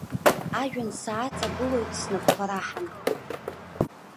Ажәҩан сааҵагылоит снапқәа раҳан.